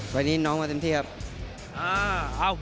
วันนี้น้องหมายเท็มที่ครับ